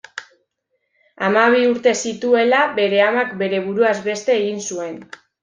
Hamabi urte zituela, bere amak bere buruaz beste egin zuen.